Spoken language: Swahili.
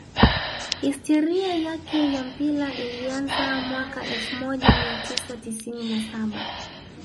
Histiria yake ya mpira ilianza mwaka elfu moja mia tisa tisini na saba